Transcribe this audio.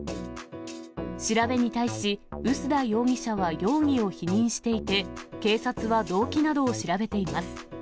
調べに対し、臼田容疑者は容疑を否認していて、警察は動機などを調べています。